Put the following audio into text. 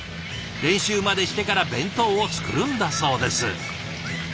練習までしてから弁当を作るんだそうです。